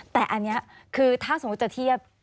แต่อันนี้คือถ้าสมมุติจะเทียบ